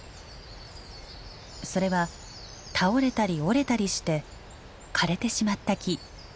それは倒れたり折れたりして枯れてしまった木。